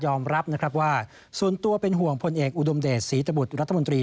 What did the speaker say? รับนะครับว่าส่วนตัวเป็นห่วงพลเอกอุดมเดชศรีตบุตรรัฐมนตรี